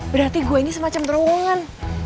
berarti gue ini semacam terowongan